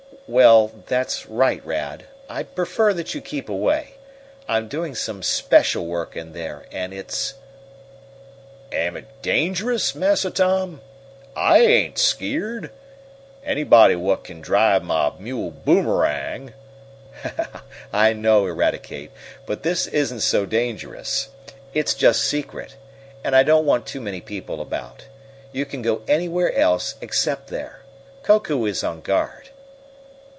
"Well, that's right, Rad. I'd prefer that you keep away. I'm doing some special work in there and it's " "Am it dangerous, Massa Tom? I ain't askeered! Anybody whut kin drive mah mule Boomerang " "I know, Eradicate, but this isn't so dangerous. It's just secret, and I don't want too many people about. You can go anywhere else except there. Koku is on guard."